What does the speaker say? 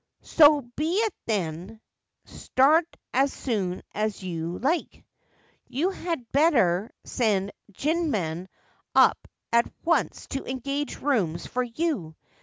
' So be it, then. Start as soon as you like. You had better send Jinman up at once to engage rooms for you.